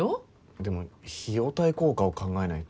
でも費用対効果を考えないと。